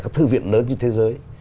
các thư viện lớn trên thế giới